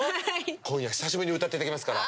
今夜久しぶりに歌っていただきますから。